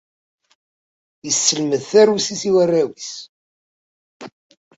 Yesselmed tarusit i warraw-ines.